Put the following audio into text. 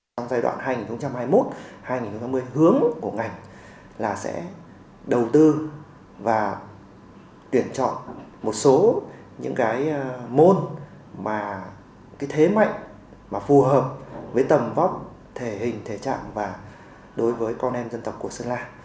trong giai đoạn hai nghìn hai mươi một hai nghìn ba mươi hướng của ngành là sẽ đầu tư và tuyển chọn một số những cái môn mà cái thế mạnh mà phù hợp với tầm vóc thể hình thể trạng và đối với con em dân tộc của sơn la